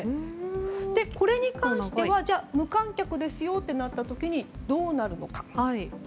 これに関しては無観客ですよとなった時にどうなるのか。